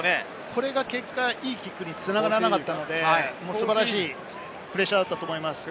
これがいい結果に繋がらなかったので、素晴らしいプレッシャーだったと思います。